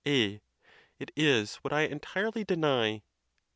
A. It is what I entirely deny.